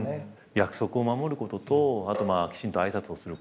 約束を守ることとあときちんと挨拶をすること。